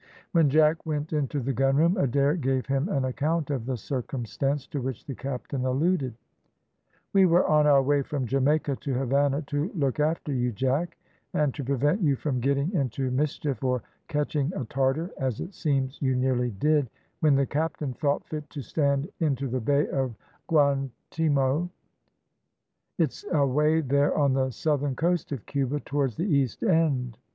When Jack went into the gunroom, Adair gave him an account of the circumstance to which the captain alluded. "We were on our way from Jamaica to Havannah, to look after you, Jack, and to prevent you from getting into mischief or catching a Tartar, as it seems you nearly did, when the captain thought fit to stand into the Bay of Guantimo; it's away there on the southern coast of Cuba, towards the east end.